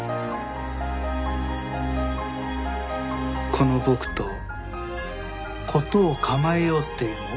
この僕と事を構えようっていうの？